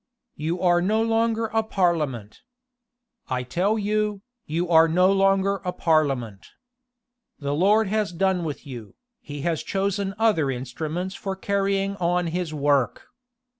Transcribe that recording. You are no longer a parliament. I tell you, you are no longer a parliament. The Lord has done with you: he has chosen other instruments for carrying on his work."